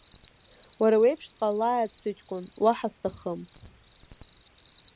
Уара уеиԥш дҟалааит сыҷкәын, уаҳа сҭахым.